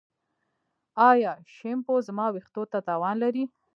ایا شیمپو زما ویښتو ته تاوان لري؟